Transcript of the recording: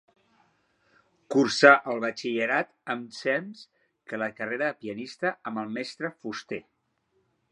Cursà el batxillerat ensems que la carrera de pianista, amb el mestre Fuster.